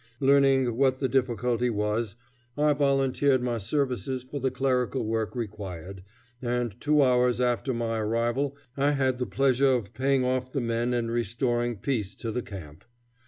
Learning what the difficulty was, I volunteered my services for the clerical work required, and two hours after my arrival I had the pleasure of paying off the men and restoring peace to the camp.